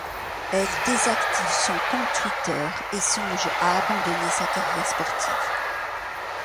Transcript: Elle désactive son compte Twitter et songe à abandonner sa carrière sportive.